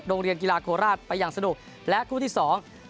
กีฬาโคราชไปอย่างสนุกและคู่ที่สอง